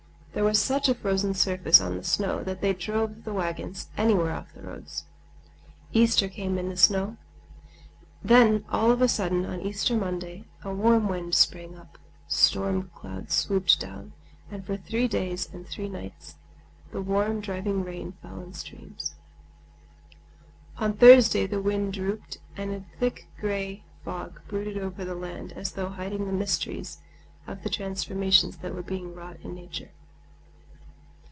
There was such a frozen surface on the snow that they drove the wagons anywhere off the roads. Easter came in the snow. Then all of a sudden, on Easter Monday, a warm wind sprang up, storm clouds swooped down, and for three days and three nights the warm, driving rain fell in streams. On Thursday the wind dropped, and a thick gray fog brooded over the land as though hiding the mysteries of the transformations that were being wrought in nature.